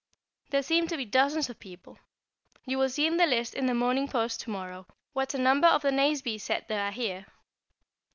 There seemed to be dozens of people. You will see in the list in the Morning Post to morrow what a number of the Nazeby set there are here.